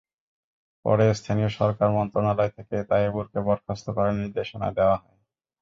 পরে স্থানীয় সরকার মন্ত্রণালয় থেকে তায়েবুরকে বরখাস্ত করার নির্দেশনা দেওয়া হয়।